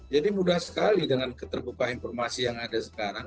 jadi mudah sekali dengan terbuka informasi yang ada sekarang